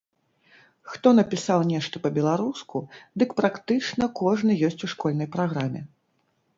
Хто напісаў нешта па-беларуску, дык практычна кожны ёсць у школьнай праграме.